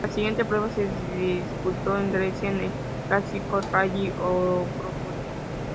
La siguiente prueba se disputó en Grecia, en el clásico Rally Acrópolis.